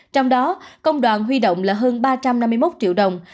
trong đó công đoàn huy động là hơn ba trăm năm mươi một triệu đồng